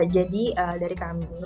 jadi dari kami